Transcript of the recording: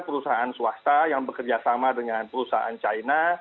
perusahaan swasta yang bekerjasama dengan perusahaan china